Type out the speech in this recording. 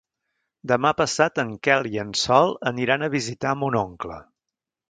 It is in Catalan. Demà passat en Quel i en Sol aniran a visitar mon oncle.